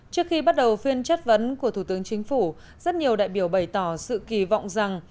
trước khi bắt đầu phiên chất vấn của thủ tướng chính phủ rất nhiều đại biểu bày tỏ sự kỳ vọng rằng